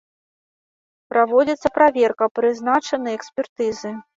Праводзіцца праверка, прызначаны экспертызы.